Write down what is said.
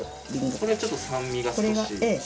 これはちょっと酸味が少し。